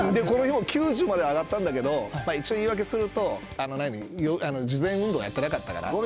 これ、９０までは挙がったんだけど、一応言いわけすると、事前運動をやってなかったから。